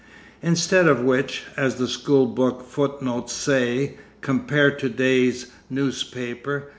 Instead of which, as the school book footnotes say, compare to day's newspaper.